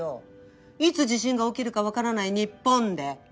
いつ地震が起きるか分からない日本で。